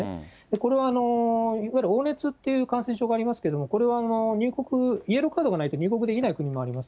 これはいわゆる黄熱という感染症がありますけれども、これは入国、イエローカードがないと入国できない国もあります。